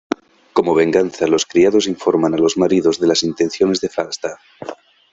Como venganza, los criados informan a los maridos de las intenciones de Falstaff.